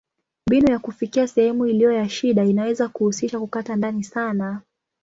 Mbinu ya kufikia sehemu iliyo na shida inaweza kuhusisha kukata ndani sana.